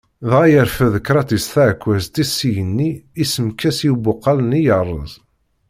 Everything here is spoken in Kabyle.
Dɣa yerfed Kratis taɛekkazt-is s igenni iṣemmek-as i ubuqal-nni yerreẓ.